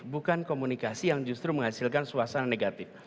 bukan komunikasi yang justru menghasilkan suasana negatif